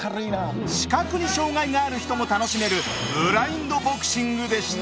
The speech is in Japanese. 視覚に障害がある人も楽しめるブラインドボクシングでした。